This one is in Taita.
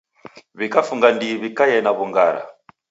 W'ikafunga ndighi w'ikaie na w'ungara.